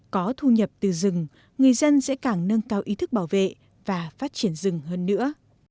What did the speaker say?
có thu nhập từ rừng người dân sẽ càng nâng cao ý thức bảo vệ và phát triển rừng hơn nữa